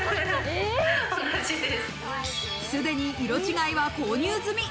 すでに色違いは購入済み。